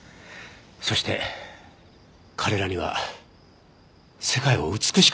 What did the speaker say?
そして彼らには世界を美しくする力がある。